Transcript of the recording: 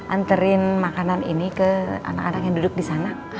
anterin makanan ini ke anak anak yang duduk disana